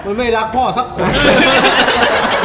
มันไม่รักพ่อสักคนเลย